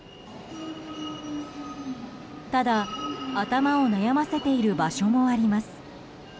ただ、頭を悩ませている場所もあります。